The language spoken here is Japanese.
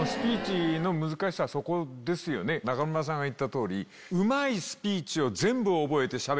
中村さんが言った通り。